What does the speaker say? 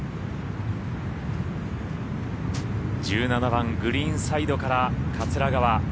１７番、グリーンサイドから桂川。